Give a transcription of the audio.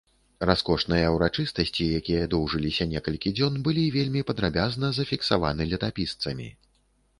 Раскошныя ўрачыстасці, якія доўжыліся некалькі дзён, былі вельмі падрабязна зафіксаваны летапісцамі.